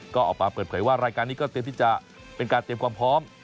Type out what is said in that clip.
ก็ออกมาเปิดเผยว่ารายการนี้ก็เตรียมที่จะเป็นการเตรียมความพร้อม